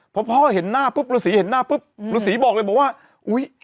พอพ่อเห็นหน้าปุ๊บฤษีเห็นหน้าปุ๊บฤษีบอกเลยบอกว่าอุ๊ย